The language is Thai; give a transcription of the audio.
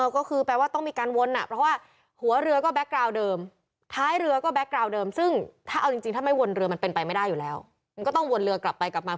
ก็คือแปลว่าต้องมีการวนเพราะว่าหัวเรือก็แบ็คกราวเดิม